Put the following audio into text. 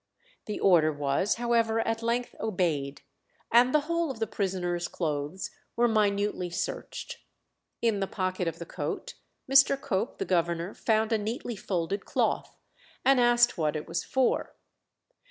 The order was, however, at length obeyed, and the whole of the prisoner's clothes were minutely searched. In the pocket of the coat Mr. Cope, the governor, found a neatly folded cloth, and asked what it was for.